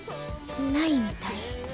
ないみたい。